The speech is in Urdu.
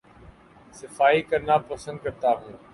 صفائی کرنا پسند کرتا ہوں